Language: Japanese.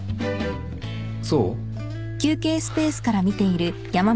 そう？